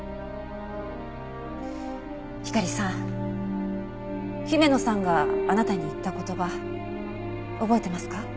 ひかりさん姫野さんがあなたに言った言葉覚えてますか？